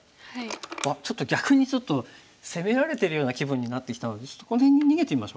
あっ逆にちょっと攻められてるような気分になってきたのでちょっとこの辺に逃げてみましょう。